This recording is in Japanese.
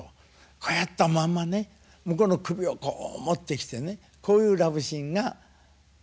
こうやったまんまね向こうの首をこう持ってきてねこういうラブシーンが。